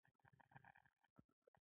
رستم د یابو ګانو په منځ کې پټ و.